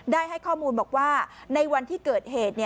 ได้ให้ข้อมูลบอกว่าในวันที่เกิดเหตุ